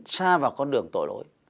xa vào con đường tội lỗi